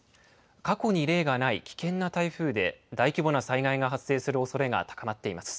過去に例がない危険な台風で、大規模な災害が発生するおそれが高まっています。